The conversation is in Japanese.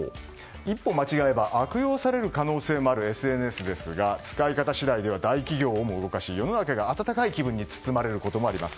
一歩間違えば悪用される可能性もあるＳＮＳですが使い方次第では大企業をも動かし世の中が温かい気分に包まれることもあります。